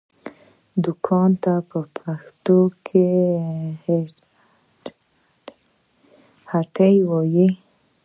دوکان ته په پښتو کې هټۍ وايي